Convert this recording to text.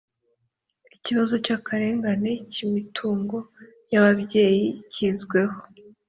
ikibazo cy akarengane kimitungo y ababyeyi cyizweho